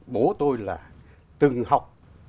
bố tôi là từng học